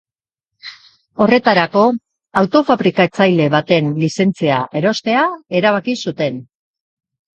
Horretarako, auto-fabrikatzaile baten lizentzia erostea erabaki zuten.